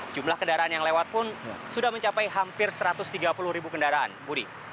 jumlah kendaraan yang lewat pun sudah mencapai hampir satu ratus tiga puluh ribu kendaraan budi